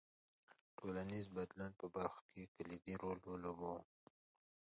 ټولنیز بدلون په برخو کې کلیدي رول ولوباوه.